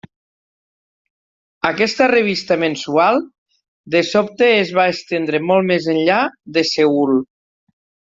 Aquesta revista mensual de sobte es va estendre molt més enllà de Seül.